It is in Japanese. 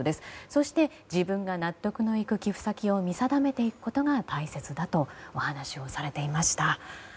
そして自分が納得のいく寄付先を見定めていくことが大切だとお話をされていました。